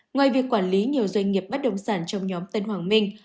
ngoài việc quản lý nhiều doanh nghiệp bất động sản trong nhóm tân hoàng minh